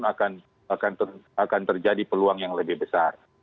maka kemungkinan mutasi akan terjadi peluang yang lebih besar